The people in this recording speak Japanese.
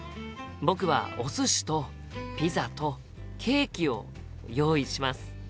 僕はお寿司とピザとケーキを用意します！